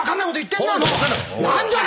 何だよ